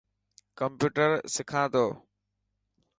ڪمپيوٽر سکا تو.